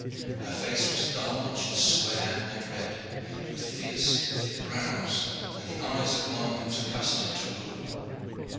Her face was large and square and red, with fierce, thick brows, and the eyes of one who was accustomed to rule.